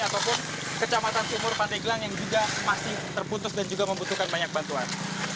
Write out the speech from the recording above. ataupun kecamatan timur pandeglang yang juga masih terputus dan juga membutuhkan banyak bantuan